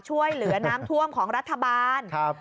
ช่วยเหลือน้ำท่วมของรัฐบาลครับ